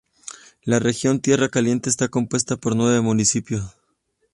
La Región Tierra Caliente está compuesta por nueve municipios.